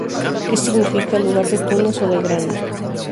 Que significa: Lugar de tunas o de grana.